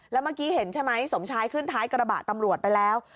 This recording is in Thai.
แล้วเมื่อกี้เห็นใช่ไหมสมชายขึ้นท้ายกระบะตำรวจไปแล้ว